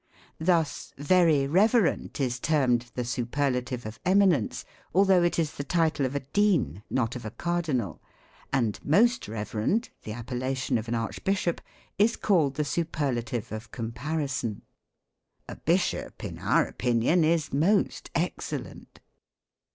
Thus, Very Reverend is termed the superlative of eminence, although it is the title of a dean, not of a cardinal; and Most Reverend, the appellation of an Archbishop, is called the superlative of comparison. A Bishop, in our opinion, is Most Excellent.